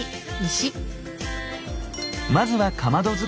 まずはかまど作り。